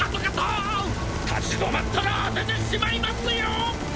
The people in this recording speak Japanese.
立ち止まったら当ててしまいますよ！